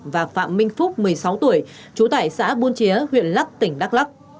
và phạm minh phúc một mươi sáu tuổi chú tải xã buôn chía huyện lắc tỉnh đắk lắc